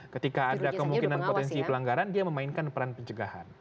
ketika ada kemungkinan potensi pelanggaran dia memainkan peran pencegahan